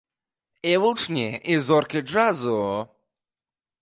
І вучні, і зоркі джазу.